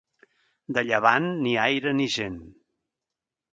De llevant, ni aire ni gent.